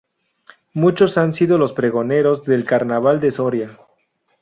Muchos han sido los pregoneros del Carnaval de Soria.